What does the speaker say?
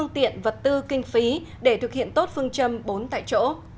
tư kinh phí để thực hiện tốt phương châm bốn tại chỗ